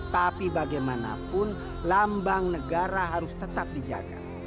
tapi bagaimanapun lambang negara harus tetap dijaga